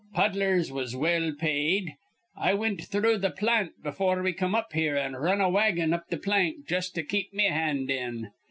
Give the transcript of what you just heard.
Puddlers was well paid. I wint through th' plant befure we come up here, an' r run a wagon up th' plank jus' to keep me hand in.